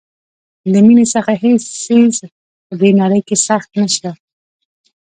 له مینې څخه هیڅ څیز په دې نړۍ کې سخت نشته.